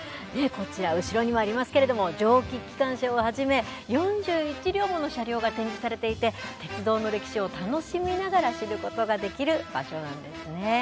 こちら後ろにもありますけれども蒸気機関車をはじめ４１両もの車両が展示されていて鉄道の歴史を楽しみながら知ることができる場所なんですね。